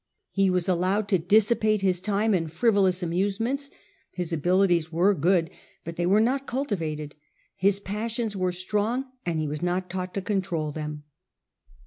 He was allowed to dissipate his time in frivolous amuse ments. His abilities were good, but they were not cultivated ; his passions were strong, and he was not taught to control them.